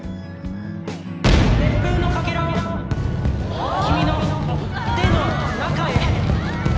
熱風のかけらを君の手の中へ！